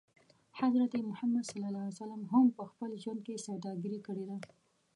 حضرت محمد ص هم په خپل ژوند کې سوداګري کړې ده.